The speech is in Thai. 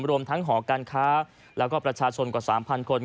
รวมทั้งหอการค้าแล้วก็ประชาชนกว่า๓๐๐คน